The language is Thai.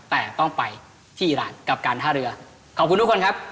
แต่ต้องไปที่อีรานกับการท่าเรือขอบคุณทุกคนครับ